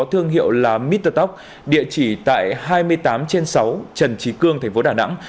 có thương hiệu là metrox địa chỉ tại hai mươi tám trên sáu trần trí cương thành phố đà nẵng